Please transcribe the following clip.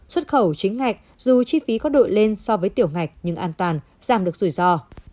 xuất khẩu chính ngạch dù chi phí có đội lên so với tiểu ngạch nhưng an toàn giảm được rủi ro